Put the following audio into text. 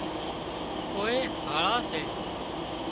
ڪوئي هاۯا سي